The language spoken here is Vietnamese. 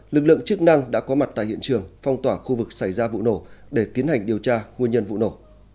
lực lượng chức năng đã có mặt tại hiện trường phong tỏa khu vực xảy ra vụ nổ để tiến hành điều tra nguyên nhân vụ nổ